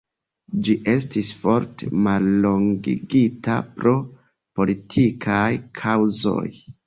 Ĝi estis forte mallongigita pro politikaj kaŭzoj.